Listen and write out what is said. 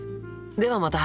ではまた。